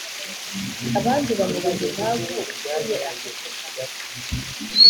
abandi bamubaza impamvu itumye aceceka.